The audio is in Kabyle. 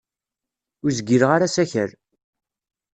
Ur zgileɣ ara asakal.